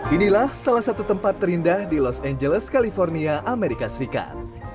inilah salah satu tempat terindah di los angeles california amerika serikat